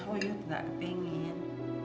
uyut gak ketingin